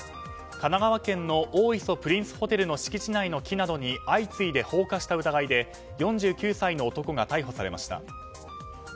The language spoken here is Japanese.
神奈川県の大磯プリンスホテルの敷地内の木などに相次いで放火した疑いで４９歳の男が逮捕されました。